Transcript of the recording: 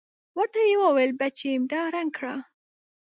ورته يې وويل بچېم دا رنګ کړه.